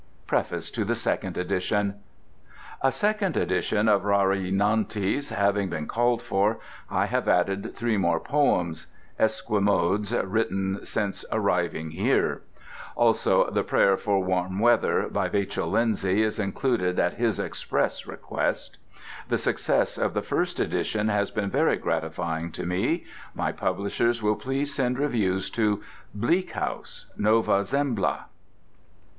PREFACE TO THE SECOND EDITION A second edition of "Rari Nantes" having been called for, I have added three more poems, Esquimodes written since arriving here. Also the "Prayer for Warm Weather," by Vachel Lindsay, is included, at his express request. The success of the first edition has been very gratifying to me. My publishers will please send reviews to Bleak House, Nova Zembla.